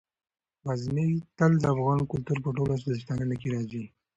غزني تل د افغان کلتور په ټولو داستانونو کې راځي.